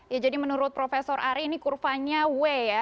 ya jadi menurut prof ari ini kurvanya w ya